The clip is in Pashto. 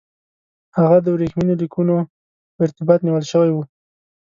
هغه د ورېښمینو لیکونو په ارتباط نیول شوی وو.